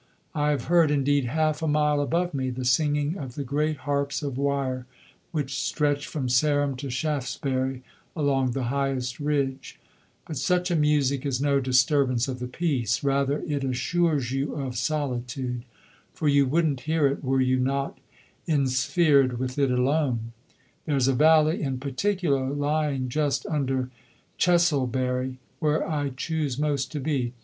I have heard, indeed, half a mile above me, the singing of the great harps of wire which stretch from Sarum to Shaftesbury along the highest ridge; but such a music is no disturbance of the peace; rather, it assures you of solitude, for you wouldn't hear it were you not ensphered with it alone. There's a valley in particular, lying just under Chesilbury, where I choose most to be.